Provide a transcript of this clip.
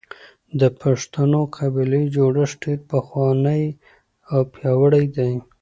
د پښتنو قبيلوي جوړښت ډېر پخوانی او پياوړی دی.